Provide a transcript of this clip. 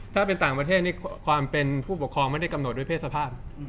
ถ้าเป็นต่างประเทศนี่ความเป็นผู้ปกครองไม่ได้กำหนดด้วยเพศสภาพ